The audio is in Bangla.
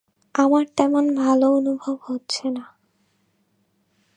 আমার তেমন ভাল অনুভব হচ্ছে না।